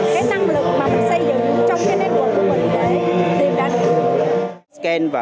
cái năng lực mà mình xây dựng trong cái network của mình để tìm đánh